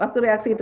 waktu reaksi itu